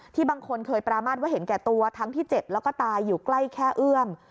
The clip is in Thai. บางคนเคยประมาทว่าเห็นแก่ตัวทั้งที่เจ็บแล้วก็ตายอยู่ใกล้แค่เอื้อม